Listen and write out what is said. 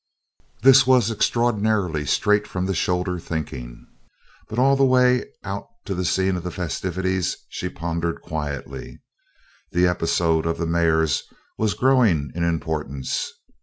This was extraordinarily straight from the shoulder thinking but all the way out to the scene of the festivities she pondered quietly. The episode of the mares was growing in importance.